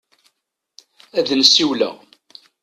Ad n-siwleɣ.